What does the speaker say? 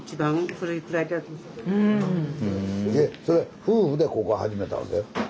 それ夫婦でここ始めたわけ？